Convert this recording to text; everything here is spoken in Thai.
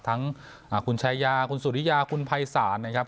ทั้งคุณชายาคุณสุริยาคุณภัยศาลนะครับ